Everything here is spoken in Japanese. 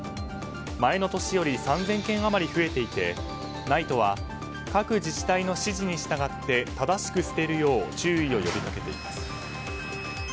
前の年より３０００件余り増えていてＮＩＴＥは各自治体の指示に従って正しく捨てるよう注意を呼び掛けています。